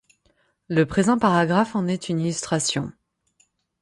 Le présent paragraphe en est une illustration.